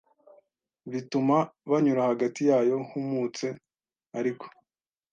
bituma banyura hagati yayo humutse ariko